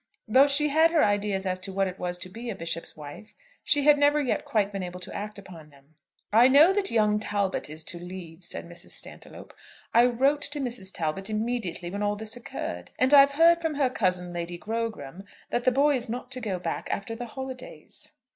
Though she had her ideas as to what it was to be a Bishop's wife, she had never yet been quite able to act up to them. "I know that young Talbot is to leave," said Mrs. Stantiloup. "I wrote to Mrs. Talbot immediately when all this occurred, and I've heard from her cousin Lady Grogram that the boy is not to go back after the holidays."